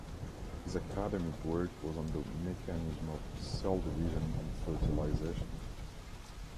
His academic work was on the mechanisms of cell division and fertilisation.